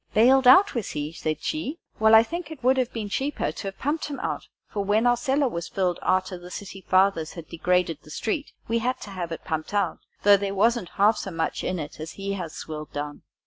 "Bailed out, was he?" said she; "well, I should think it would have been cheaper to have pumped him out, for, when our cellar was filled, arter the city fathers had degraded the street, we had to have it pumped out, though there wasn't half so much in it as he has swilled down."